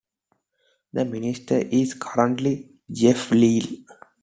The Minister is currently Jeff Leal.